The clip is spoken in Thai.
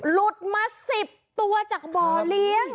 อ๋อหลุดมาสิบตัวจากบ่อเลี้ยง